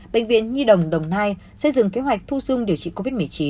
bệnh viện nhi đồng đồng nai xây dựng kế hoạch thu dung điều trị covid một mươi chín